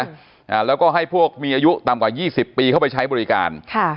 อ่าแล้วก็ให้พวกมีอายุต่ำกว่ายี่สิบปีเข้าไปใช้บริการค่ะ